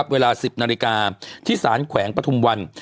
เวลา๑๐นาฬิกาที่สารแขวงปฐุมวัน